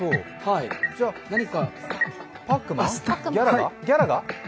じゃあ「パックマン」？